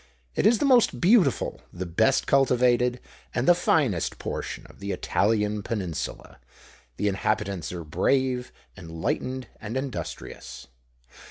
It is the most beautiful, the best cultivated, and the finest portion of the Italian Peninsula. The inhabitants are brave, enlightened, and industrious.